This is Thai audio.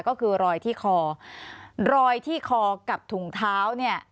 ก็คือรอยที่คอกับถุงเท้าเนี่ย